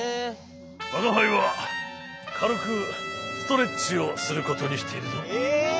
わがはいはかるくストレッチをすることにしているぞ。え？